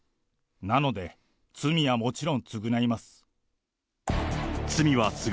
なので、罪はもちろん償います。